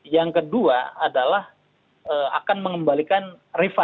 yang kedua adalah akan mengembalikan refund uang kepada jamaah